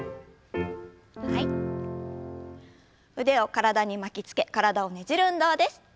腕を体に巻きつけ体をねじる運動です。